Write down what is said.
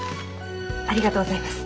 ありがとうございます。